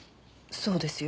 そうですよ。